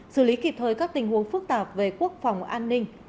xử lý kịp thời các tình huống phức tạp về quốc phòng an ninh